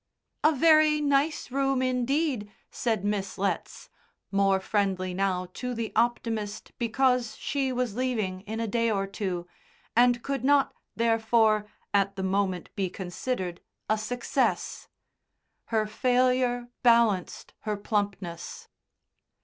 "A very nice room indeed," said Miss Letts, more friendly now to the optimist because she was leaving in a day or two, and could not, therefore, at the moment be considered a success. Her failure balanced her plumpness.